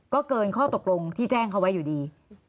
ก็เกินข้อตกลงที่แจ้งเขาไว้อยู่ดี